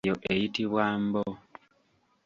Eyo eyitibwa mbo.